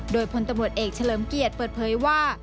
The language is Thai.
โดยพลตำรวจเอกเฉลิมเกียรติเปิดเผยว่า